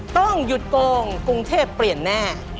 ต้องหยุดโกงกรุงเทพเปลี่ยนแน่